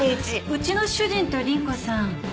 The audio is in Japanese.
うちの主人と倫子さん